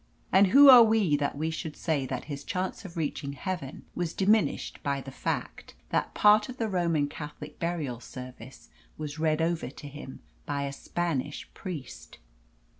And who are we that we should say that his chance of reaching heaven was diminished by the fact that part of the Roman Catholic burial service was read over him by a Spanish priest?